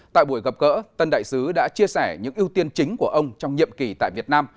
tại buổi gặp gỡ tân đại sứ đã chia sẻ những ưu tiên chính của ông trong nhiệm kỳ tại việt nam